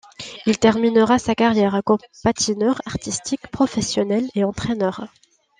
Il terminera sa carrière comme patineur artistique professionnel et entraineur.